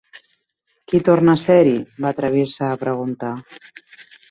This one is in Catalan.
"Qui torna a ser-hi?" va atrevir-se a preguntar.